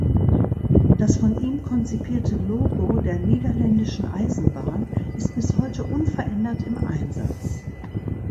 Das von ihm konzipierte Logo der Niederländischen Eisenbahn ist bis heute unverändert im Einsatz.